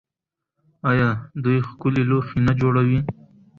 آیا دوی ښکلي لوښي نه جوړوي؟